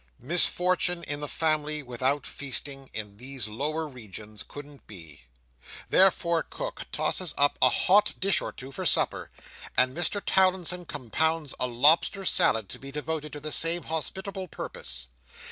Misfortune in the family without feasting, in these lower regions, couldn't be. Therefore Cook tosses up a hot dish or two for supper, and Mr Towlinson compounds a lobster salad to be devoted to the same hospitable purpose.